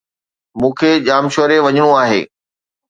مون کي ڄامشوري وڃڻو آھي.